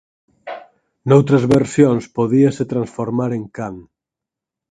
Noutras versións podíase transformar en can.